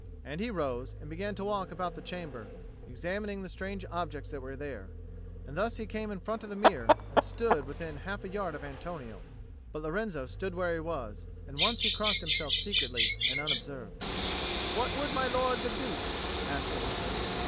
And he rose and began to walk about the chamber, examining the strange objects that were there; and thus he came in front of the mirror, and stood within half a yard of Antonio. But Lorenzo stood where he was, and once he crossed himself secretly and unobserved. "What would my lord the Duke?" asked the wizard.